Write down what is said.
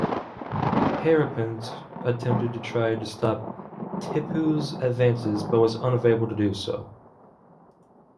Haripant attempted to try to stop Tipu's advances, but was unable to do so.